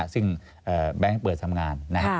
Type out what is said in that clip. ซึ่งแบงค์เปิดทำงาน